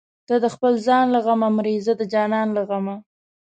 ته د خپل ځان له غمه مرې زه د جانان له غمه